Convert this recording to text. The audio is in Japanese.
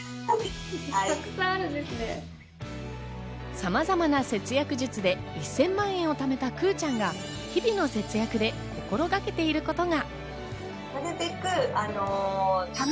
さまざまな節約術で１０００万円を貯めたくぅちゃんが日々の節約で心がけているが。